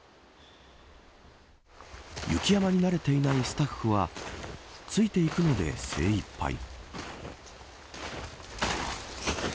雪山に慣れていないスタッフはついていくので精いっぱい。